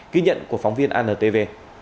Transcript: ghi nhận của phóng viên antv